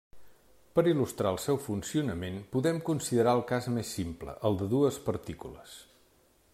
Per il·lustrar el seu funcionament podem considerar el cas més simple, el de dues partícules.